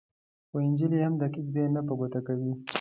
خو انجیل یې هم دقیق ځای نه په ګوته کوي.